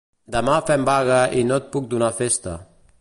Demà fem vaga i no et puc donar festa.